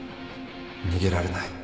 逃げられない